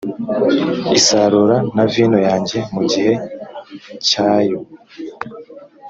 isarura na vino yanjye mu gihe cyayo